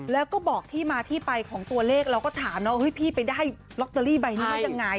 แล้วก็บอกที่มาที่ไปของตัวเลขแล้วก็ถามนะพี่ไปได้ล็อตเตอรี่ใบหน้าอย่างไร